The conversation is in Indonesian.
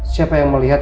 siapa yang melihat